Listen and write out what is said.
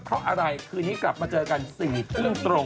เพราะอะไรคืนนี้กลับมาเจอกัน๔ทุ่มตรง